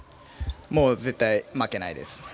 もう絶対、負けないです。